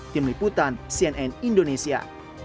tim liputan cnn indonesia